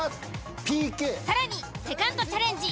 更にセカンドチャレンジ